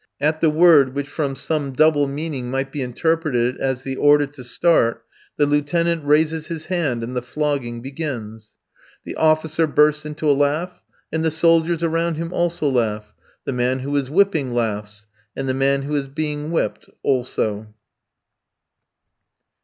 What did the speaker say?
At the word, which from some double meaning might be interpreted as the order to start, the Lieutenant raises his hand, and the flogging begins. The officer bursts into a laugh, and the soldiers around him also laugh; the man who is whipping laughs, and the man who is being whipped also.